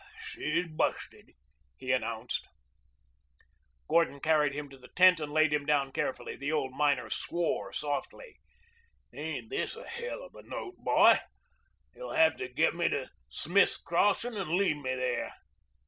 "Yep. She's busted," he announced. Gordon carried him to the tent and laid him down carefully. The old miner swore softly. "Ain't this a hell of a note, boy? You'll have to get me to Smith's Crossing and leave me there."